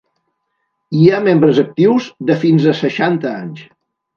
Hi ha membres actius de fins a seixanta anys.